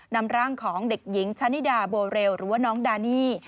นำร่างของเด็กหญิงชะนิดาโบเรลหรือว่าน้องดานี่